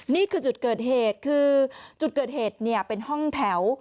นี่คือจุดเกิดเหตุคือจุดเกิดเหตุเนี่ยเป็นห้องแถว